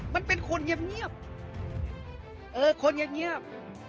มันเป็นคนเงียบเออคนเงียบ